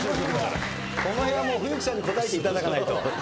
この辺はもう冬樹さんに答えていただかないと。